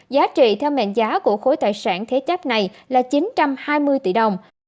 giá trị theo mệnh giá của khối tài sản thế chấp này là chín trăm hai mươi tỷ đồng